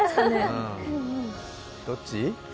どっち？